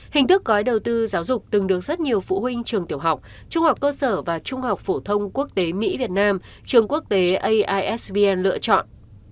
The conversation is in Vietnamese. hình thức gói đầu tư giáo dục từng được rất nhiều phụ huynh trường tiểu học trung học cơ sở và trung học phổ thông quốc tế mỹ việt nam trường quốc tế aisb lựa chọn